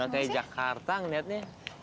kayak jakarta ngeliatnya